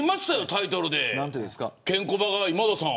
タイトルでケンコバが今田さん